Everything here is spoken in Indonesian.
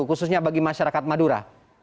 khususnya bagi masyarakat madura